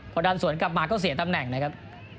พอดันสวนกลับมาก็เสียตำแหน่งนะครับ